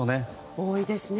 多いですね。